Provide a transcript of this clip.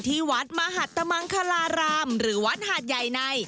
ที่วัดมหัตมังคลารามหรือวัดหาดใหญ่ใน